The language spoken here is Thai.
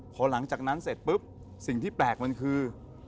พอหลังจากนั้นเสร็จปุ๊บสิ่งที่แปลกมันคือ